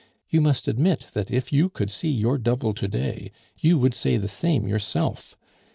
You must admit that if you could see your double to day, you would say the same yourself.